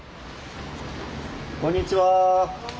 こんにちは。